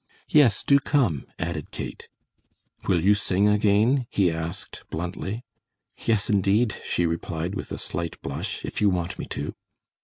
"Yes, do come," added Kate. "Will you sing again?" he asked, bluntly. "Yes, indeed," she replied, with a slight blush, "if you want me to."